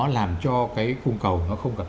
làm cho cái cung cầu nó không gặp